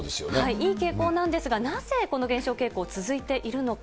いい傾向なんですが、なぜこの減少傾向、続いているのか。